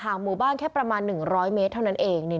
หมู่บ้านแค่ประมาณ๑๐๐เมตรเท่านั้นเอง